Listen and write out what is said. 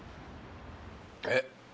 えっ！